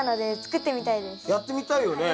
やってみたいよね。